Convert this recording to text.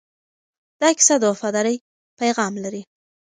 دا کیسه د وفادارۍ پیغام لري.